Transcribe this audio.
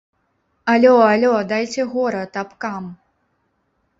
Алё, алё, дайце горад, абкам.